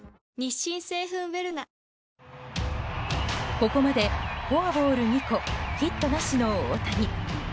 ここまでフォアボール２個ヒットなしの大谷。